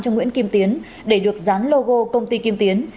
cho nguyễn kim tiến để được dán logo công ty kim tiến